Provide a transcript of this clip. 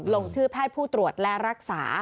ลงชื่อแพทย์ผู้ตรวจและรักษา